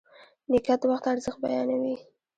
نیکه د وخت ارزښت بیانوي.